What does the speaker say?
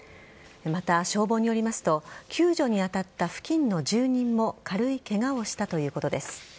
また、消防によりますと救助に当たった付近の住民も軽いケガをしたということです。